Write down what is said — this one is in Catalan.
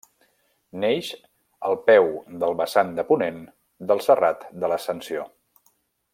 Neix al peu del vessant de ponent del Serrat de l'Ascensió.